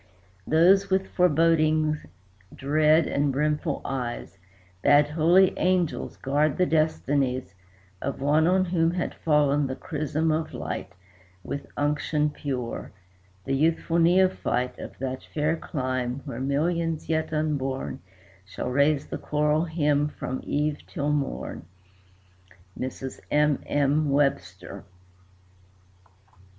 Those, with forebodings dread and brimful eyes, Bade holy angels guard the destinies Of one on whom had fallen the chrism of light With unction pure; the youthful neophyte Of that fair clime where millions yet unborn Shall raise the choral hymn from eve till morn. MRS. M. M. WEBSTER.